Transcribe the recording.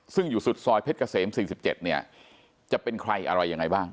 ซึ่งอยู่สุดซอยเพชรเกษม๔๗เนี่ยจะเป็นใครอะไรยังไงบ้าง